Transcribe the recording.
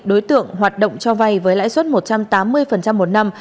đối tượng hoạt động cho vay với lãi suất một trăm tám mươi một năm